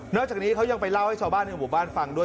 จากนี้เขายังไปเล่าให้ชาวบ้านในหมู่บ้านฟังด้วย